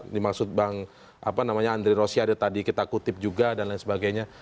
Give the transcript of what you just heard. dimaksud bang andri rosiade tadi kita kutip juga dan lain sebagainya